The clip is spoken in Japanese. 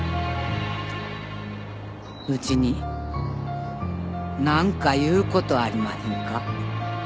うちに何か言うことありまへんか？